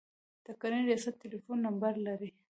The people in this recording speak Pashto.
د کرنې ریاست ټلیفون نمبر لرئ؟